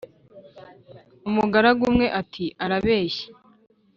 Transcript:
umugaragu umwe ati"arabeshye